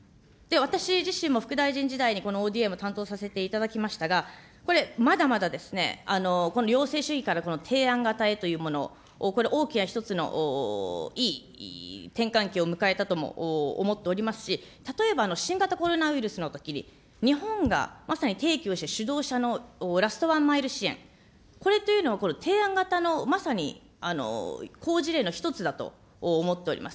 私自身も副大臣時代にこのＯＤＡも担当させていただきましたが、これ、まだまだですね、この要請主義から提案型へというもの、大きな一つのいい転換期を迎えたとも思っておりますし、例えば新型コロナウイルスのときに、日本がまさに提起をして主導者のラストワンマイル支援、これというのは提案型の正に好事例の一つだと思っております。